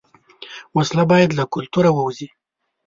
وسله باید له کلتوره ووځي